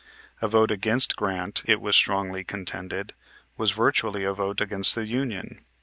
A vote against Grant, it was strongly contended, was virtually a vote against the Union.